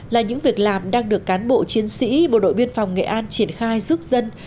là những việc làm đang được cán bộ chiến sĩ bộ đội biên phòng nghệ an triển khai giúp dân